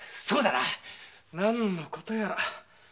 そうだな何の事やら？